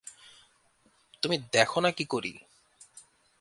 তুমি দেখ না কী করি।